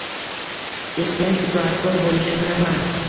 Itdek itoatkor bo’lishimni ham.